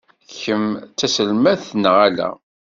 Kemm d taselmadt neɣ ala?